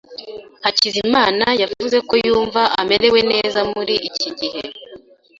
Hakizimana yavuze ko yumva amerewe neza muri iki gihe.